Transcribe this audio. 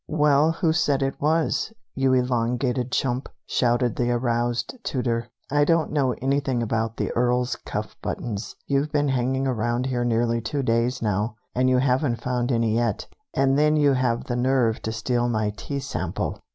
"Well, who said it was, you elongated chump?" shouted the aroused Tooter. "I don't know anything about the Earl's cuff buttons. You've been hanging around here nearly two days now, and you haven't found any yet; and then you have the nerve to steal my tea sample!"